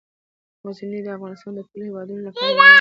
غزني د افغانستان د ټولو هیوادوالو لپاره یو لوی ویاړ دی.